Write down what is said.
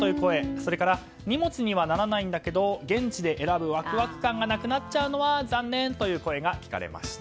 それから、荷物にはならないんだけど現地で選ぶワクワク感がなくなっちゃうのは残念という声が聞かれました。